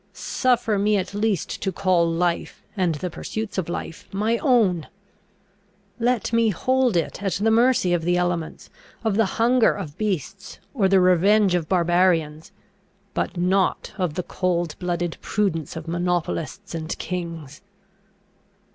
Suffer me at least to call life, and the pursuits of life, my own! Let me hold it at the mercy of the elements, of the hunger of beasts, or the revenge of barbarians, but not of the cold blooded prudence of monopolists and kings!"